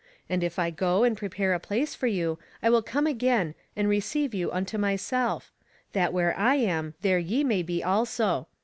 And if I go and prepare a place for you, I will come again, and receive you unto myself; that where I am, there ye may be also.